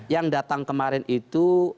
yang datang kemarin itu